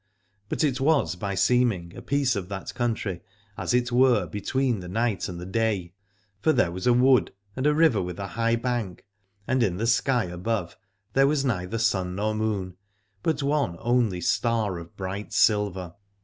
But it was by seeming a piece of that country, as it were between the night and the day : for there was a wood and a river with a high bank, and in the sky above there was neither sun nor moon, but one only star of bright silver.